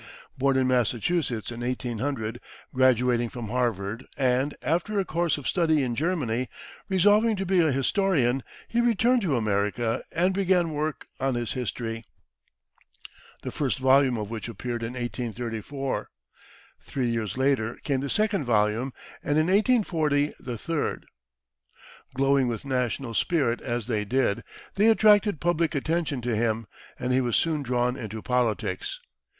Born in Massachusetts in 1800, graduating from Harvard, and, after a course of study in Germany, resolving to be a historian, he returned to America and began work on his history, the first volume of which appeared in 1834. Three years later, came the second volume, and in 1840, the third. Glowing with national spirit as they did, they attracted public attention to him, and he was soon drawn into politics.